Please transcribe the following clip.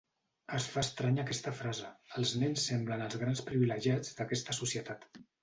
Es fa estranya aquesta frase: els nens semblen els grans privilegiats d’aquesta societat.